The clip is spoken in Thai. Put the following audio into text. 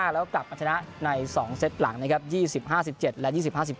แล้วกลับมาชนะใน๒เซตหลังนะครับ๒๕๑๗และ๒๕๑